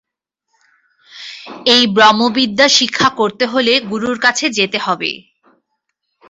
এই ব্রহ্মবিদ্যা শিক্ষা করতে হলে গুরুর কাছে যেতে হবে।